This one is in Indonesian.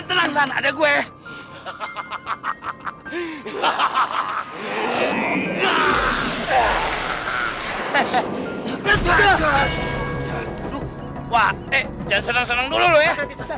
habis pikirin apaan berisik berisik ganggu orang tidur aja